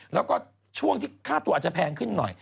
แล้วก็ช่วงที่ค่าตัวอาจจะแพงขึ้นหน่อย